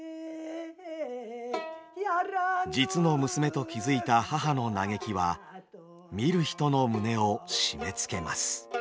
実の娘と気付いた母の嘆きは見る人の胸を締めつけます。